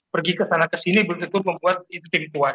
pergi ke sana ke sini belum tentu membuat tim itu kuat